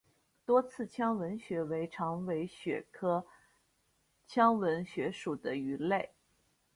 多刺腔吻鳕为长尾鳕科腔吻鳕属的鱼类。